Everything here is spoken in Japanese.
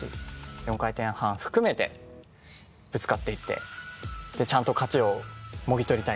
４回転半含めてぶつかっていってちゃんと勝ちをもぎ取りたいです。